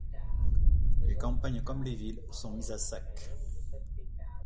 Les campagnes comme les villes sont mises à sac.